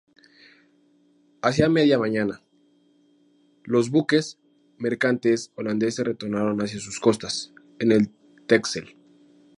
Hacia media mañana, los buques mercantes holandeses retornaron hacia sus costas, en el Texel.